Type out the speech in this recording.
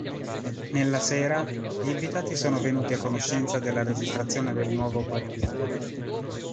Nella sera, gli invitati sono venuti a conoscenza della registrazione del nuovo partito.